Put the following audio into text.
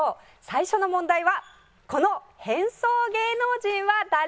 最初の問題はこの変装芸能人は誰？